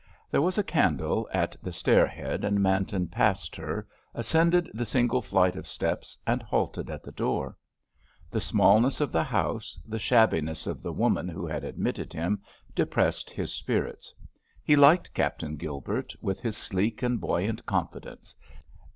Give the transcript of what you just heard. There was a candle at the stair head, and Manton passed her, ascended the single flight of steps and halted at the door. The smallness of the house, the shabbiness of the woman who had admitted him, depressed his spirits. He liked Captain Gilbert, with his sleek and buoyant confidence.